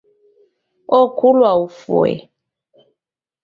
Okulwa ufue